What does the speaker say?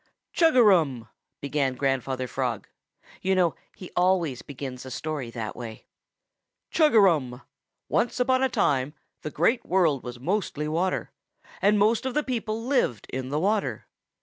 "Chug a rum!" began Grandfather Frog. You know he always begins a story that way. "Chug a rum! Once upon a time the Great World was mostly water, and most of the people lived in the water.